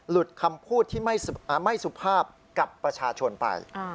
คำพูดที่ไม่สุภาพกับประชาชนไป